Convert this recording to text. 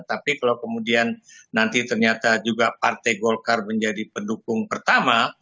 tapi kalau kemudian nanti ternyata juga partai golkar menjadi pendukung pertama